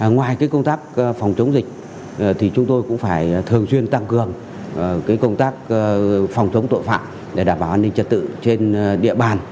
ngoài công tác phòng chống dịch thì chúng tôi cũng phải thường xuyên tăng cường công tác phòng chống tội phạm để đảm bảo an ninh trật tự trên địa bàn